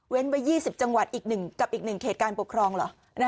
ไว้๒๐จังหวัดอีกกับอีก๑เขตการปกครองเหรอ